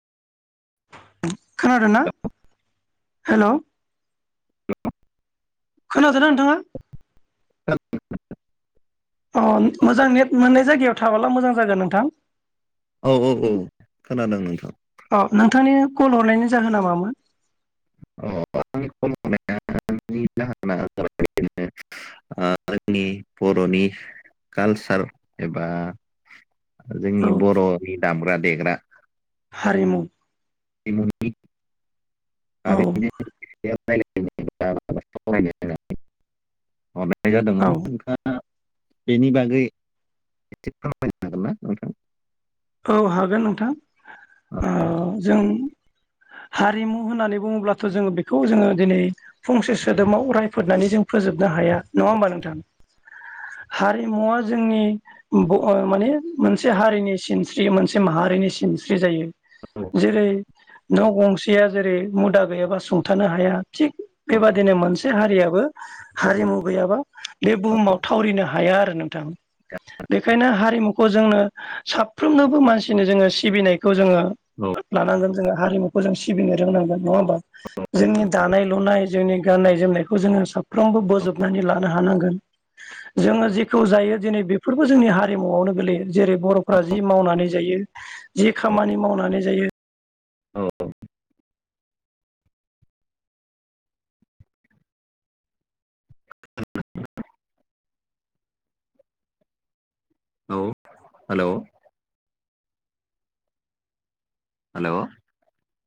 खोनादों ना हेल' खोनादों ना नोंथाङा? [unintelligible] अ ओ मोजां नेट मोननाय जायगायाव थाबोला मोजां जागोन नोंथां औ औ औ खोनादों नोंथां औ नोंथांनि कल हरनायनि जाहोना मामोन [unintelligible] ओ जोंनि बर'नि कालचार एबा जोंनि औ बर'नि दामग्रा देग्रा हारिमु [unintelligible] औ हारिमुनि सायाव [unintelligible] ‌ औ जादोंमोन नोंथाङा बेनि बागै एसे फोरायनो हागोन ना नोंथां? औ हागोन नोंथां औ ओ जों हारिमु होननानै बुङोब्लाथ' जोङो बेखौ जोङो दिनै फंसे सोदोबाव रायफोदनानै जों फोजोबनो हाया नङा होमबा नोंथां हारिमुवा जोंनि ओब माने मोनसे हारिनि सिन स्रि मोनसे माहारिनि सिनस्रि जायो जेरै न' गंसेया जेरै मुदा गैयाबा सुंथानो हाया थिग बेबादिनो मोनसे हारियाबो हारिमु गैयाबा बे बुहुमाव थावरिनो हाया आरो नोंथां बेखायनो हारिमुखौ जोंनो साब‌ फ्रोमनोबो मानसिनो जोङो सिबिनायखौ जोङो औ लानांगोन जोङो हारिमुखौ जों सिबिनो रोंनांगोन नङा होमबा जोंनि दानाय लुनाय जोंनि गाननाय जोमनायखौ जोङो साफ्रोमबो बोजबनानै लानो हानांगोन जोङो जेखौ जायो दिनै बेफोरबो जोंनि हारिमुआवनो गोलैयो जेरै बर'फ्रा जि मावनानै जायो जि खामानि मावनानै जायो औ औ हेल' हेल'